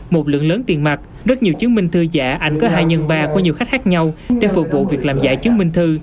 một lượng lớn tiền mặt rất nhiều chứng minh thư giả ảnh có hai nhân ba có nhiều khách khác nhau để phục vụ việc làm giải chứng minh thư